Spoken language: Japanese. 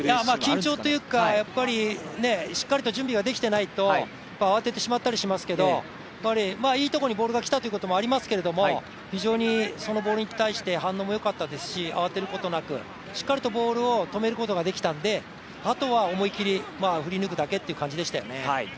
緊張というかやっぱりしっかり準備ができていないと慌ててしまったりしますがいいところにボールがきたということもありますけど非常にそのボールに対して反応もよかったですし、慌てることなく、しっかりとボールを止めることができたのであとは思い切り振り抜くだけという感じでしたよね。